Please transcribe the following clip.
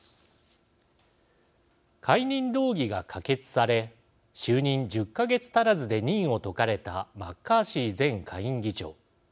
解任動議が可決され就任１０か月足らずで任を解かれたマッカーシー前下院議長。